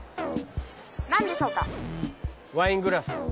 何でしょうか？